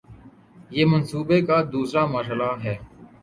یہ منصوبے کا دوسرا مرحلہ ہے